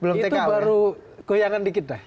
itu baru goyangan dikit dah